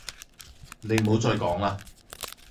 你唔好再講啦